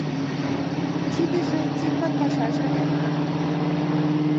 — Тидыже Тимкан пашаже вет.